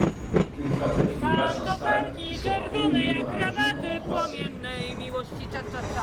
Une fabrique de bas s'installe, qui sera renommée dans la région pendant trois siècles.